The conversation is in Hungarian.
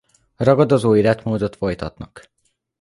Ragadozó életmódot folytatnak.